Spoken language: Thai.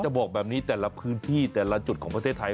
บอกแบบนี้แต่ละพื้นที่แต่ละจุดของประเทศไทย